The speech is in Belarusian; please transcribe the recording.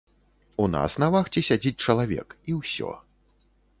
У нас на вахце сядзіць чалавек, і ўсё.